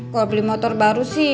kalau beli motor baru sih